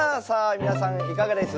みなさんいかがです？